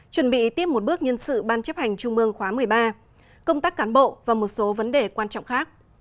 chuẩn bị tiếp một bước nhân sự ban chấp hành trung mương khóa một mươi ba công tác cán bộ và một số vấn đề quan trọng khác